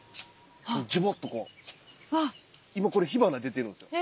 今これ火花出てるんですよ。